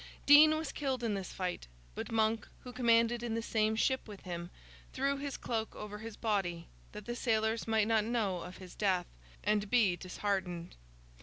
Dean was killed in this fight; but Monk, who commanded in the same ship with him, threw his cloak over his body, that the sailors might not know of his death, and be disheartened.